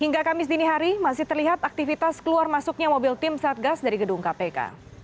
hingga kamis dini hari masih terlihat aktivitas keluar masuknya mobil tim satgas dari gedung kpk